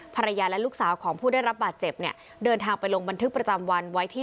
ภรรยาและลูกสาวของผู้ได้รับบาดเจ็บเนี่ยเดินทางไปลงบันทึกประจำวันไว้ที่